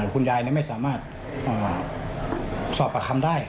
คุณยายไม่สามารถสอบปากคำได้